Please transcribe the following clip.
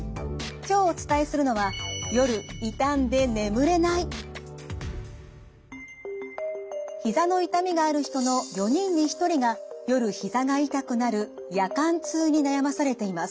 今日お伝えするのはひざの痛みがある人の４人に１人が夜ひざが痛くなる夜間痛に悩まされています。